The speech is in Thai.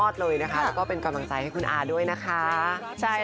ใช่ใช่